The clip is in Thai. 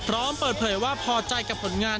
พร้อมเปิดเผยว่าพอใจกับผลงาน